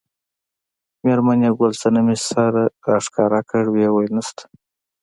میرمن یې ګل صمنې سر راښکاره کړ وویل نشته.